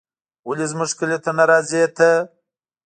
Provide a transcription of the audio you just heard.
ولې زموږ کلي ته نه راځې ته